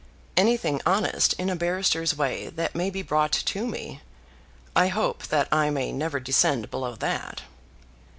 "Anything honest in a barrister's way that may be brought to me. I hope that I may never descend below that."